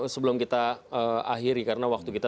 sebelum kita akhiri karena waktu kita